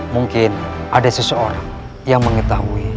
mungkin ada seseorang yang mengetahui